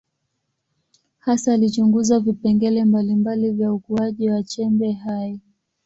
Hasa alichunguza vipengele mbalimbali vya ukuaji wa chembe hai.